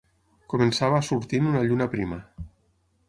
Començava a sortint una lluna prima.